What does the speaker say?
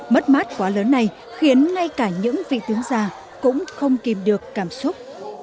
mất mát quá lớn này khiến ngay cả những vị tướng già cũng không kìm được cảm xúc